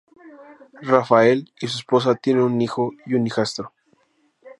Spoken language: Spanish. Rafael y su esposa tienen un hijo y un hijastro.